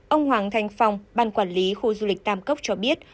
ông hoàng thành phong ban quản lý khu du lịch tam cốc cho biết